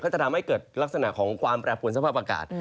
จะทำให้เกิดลักษณะของความแปรปวนสภาพอากาศ